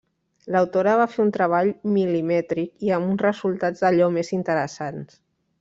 L'autora va fer un treball mil·limètric i amb uns resultats d'allò més interessants.